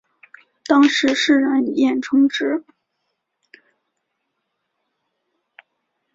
当时世人艳称之。